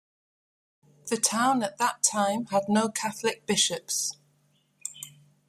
The town at that time had no Catholic bishops.